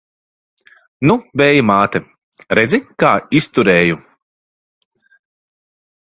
Nu, Vēja māte, redzi, kā izturēju!